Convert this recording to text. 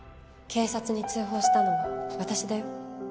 警察に通報したのは私だよ。